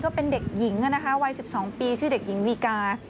เป็นเด็กหญิงวัย๑๒ปีชื่อเด็กหญิงมีกา